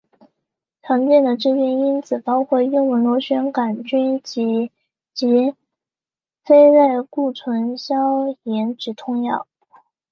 常见的致病因子包括幽门螺旋杆菌以及非类固醇消炎止痛药。